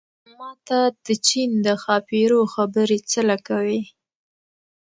ما ته د چين د ښاپېرو خبرې څه له کوې